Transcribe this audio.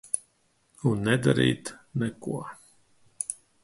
Un nedarīt neko.